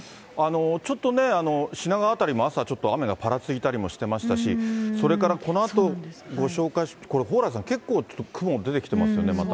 ちょっとね、品川辺りも朝、ちょっと雨がぱらついたりもしてましたし、それから、このあとご紹介する、蓬莱さん、結構、ちょっと雲出てきてますよね。